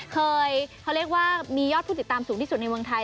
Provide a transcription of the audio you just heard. เคยเขาเรียกว่ามียอดผู้ติดตามสูงที่สุดในเมืองไทย